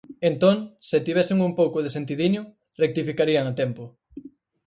Entón, se tivesen un pouco de sentidiño, rectificarían a tempo.